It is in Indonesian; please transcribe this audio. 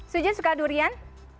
suji suka durian